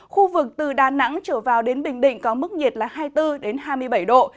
khu vực từ đà nẵng trở vào đến bình định có mức nhiệt là hai mươi bốn hai mươi bảy độ